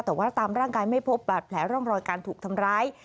แต่ว่าตามร่างกายไม่พบบาดแผลร่องรอยการถูกทำร้าย